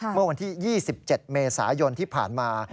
เมื่อวันที่๒๗เมษายนที่ผ่านมา